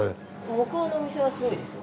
向こうのお店はすごいですよ。